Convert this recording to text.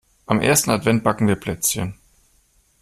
Am ersten Advent backen wir Plätzchen.